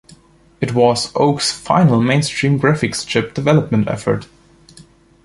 It was Oak's final mainstream graphics chip development effort.